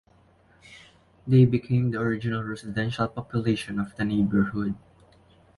They became the original residential population of the neighborhood.